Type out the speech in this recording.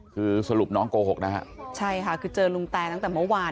คือสรุปน้องโกหกนะฮะใช่ค่ะคือเจอลุงแตตั้งแต่เมื่อวาน